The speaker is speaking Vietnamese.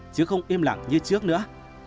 chứ không im lặng như trước nữa